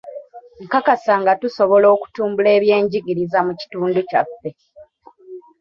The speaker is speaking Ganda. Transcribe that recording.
Nkakasa nga tusobola okutumbula eby'enjigiriza mu kitundu kyaffe.